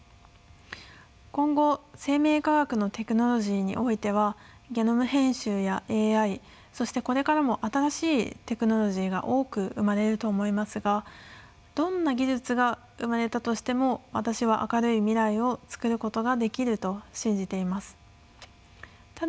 今後生命科学のテクノロジーにおいてはゲノム編集やＡＩそしてこれからも新しいテクノロジーが多く生まれると思いますがどんな技術が生まれたとしても私は明るい未来をつくることができると信じています。